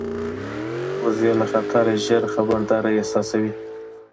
وزې له خطره ژر خبرداری احساسوي